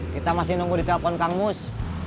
kita masih nunggu di telepon kang mus